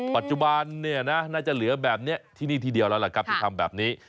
ปัจจุบันเนี่ยนะน่าจะเหลือแบบนี้ที่นี่ทีเดียวแล้วล่ะครับที่ทำแบบนี้